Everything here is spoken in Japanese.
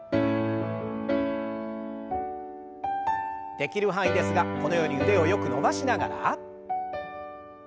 できる範囲ですがこのように腕をよく伸ばしながら。